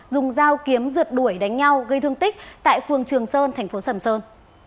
dùng dao kiếm rượt đuổi đánh nhau gây thương tích tại phường trường sơn thành phố sầm sơn